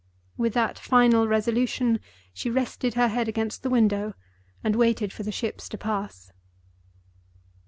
With that final resolution, she rested her head against the window and waited for the ships to pass.